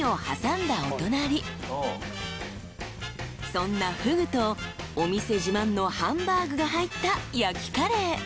［そんなフグとお店自慢のハンバーグが入った焼きカレー］